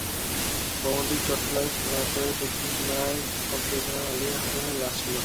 ভবনটির চারতলার ফ্ল্যাটের দক্ষিণ-পূর্ব কোনার কক্ষের বিছানায় আলী হোসেনের লাশ ছিল।